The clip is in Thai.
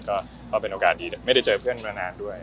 ก็เป็นโอกาสที่ไม่ได้เจอเพื่อนมานานด้วย